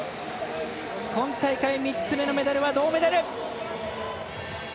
今大会３つ目のメダルは銅メダル。